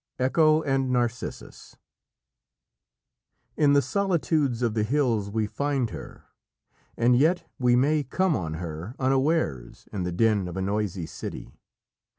_" ECHO AND NARCISSUS In the solitudes of the hills we find her, and yet we may come on her unawares in the din of a noisy city.